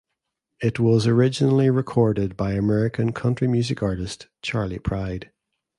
It was originally recorded by American country music artist Charley Pride.